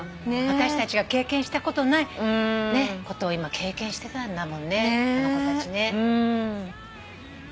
私たちが経験したことないことを今経験してたんだもんね。